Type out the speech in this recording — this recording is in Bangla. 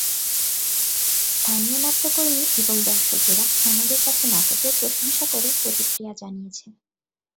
স্থানীয় নাট্যকর্মী এবং দর্শকেরা আমাদের কাছে নাটকের প্রশংসা করে প্রতিক্রিয়া জানিয়েছে।